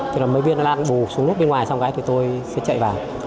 thì là mấy viên nó lăn bù xuống lúc bên ngoài xong rồi tôi sẽ chạy vào